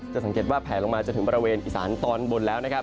สังเกตว่าแผลลงมาจนถึงบริเวณอิสานตอนบนแล้วนะครับ